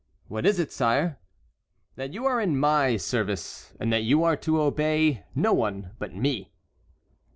"What is it, sire?" "That you are in my service, and that you are to obey no one but me."